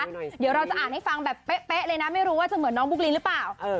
เดี๋ยวเราจะอ่านให้ฟังแบบเป๊ะเลยนะไม่รู้ว่าจะเหมือนน้องบุ๊กลินหรือเปล่า